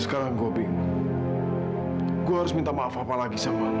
sekarang gobi gua harus minta maaf apa lagi sama lu